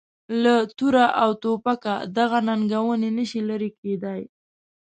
له توره او توپکه دغه ننګونې نه شي لرې کېدای.